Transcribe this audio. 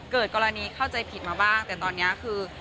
เกิดกรณีเข้าใจผิดมาบ้างแต่ตอนนี้คือ